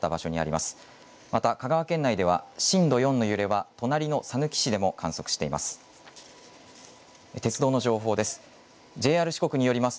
また香川県内では震度４の揺れは隣のさぬき市でも観測しています。